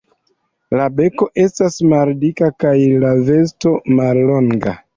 La beko estas maldika kaj la vosto mallonga.